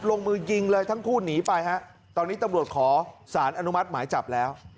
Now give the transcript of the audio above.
ลงมือยิงเลยทั้งคู่หนีไปฮะตอนนี้ตำรวจขอสารอนุมัติหมายจับแล้ว